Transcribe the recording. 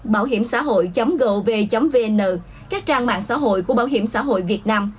bảo hiểm xã hội gov vn các trang mạng xã hội của bảo hiểm xã hội việt nam